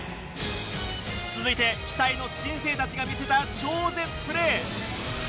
続いて期待の新星たちが見せた超絶プレー。